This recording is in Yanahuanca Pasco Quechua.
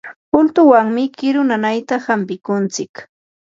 ultuwanmi kiru nanayta hampikuntsik.